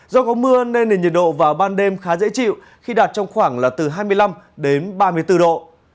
do có mưa nên nền nhiệt độ vào ban đêm khá dễ chịu khi đạt trong khoảng là từ hai mươi năm đến ba mươi bốn độ